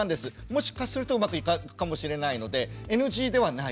もしかするとうまくいくかもしれないのでＮＧではないです。